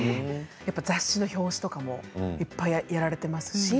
雑誌の表紙とかもいっぱいやられていますし。